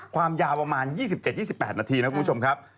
ความยาวประมาณ๒๗๒๘นาทีนะคุณผู้ชมครับ